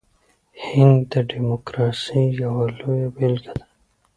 هند د ډیموکراسۍ یوه لویه بیلګه ده.